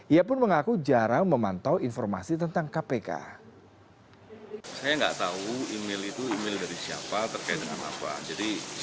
ia pun mengaku jarang memantau informasi tentangnya